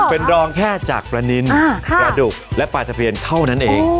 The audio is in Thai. เป็นรองแค่จากประนินประดุกและปลาตะเพียนเท่านั้นเอง